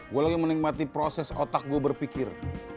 gue lagi menikmati proses otak gue berpikir